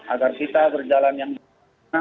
agar kita berjalan yang benar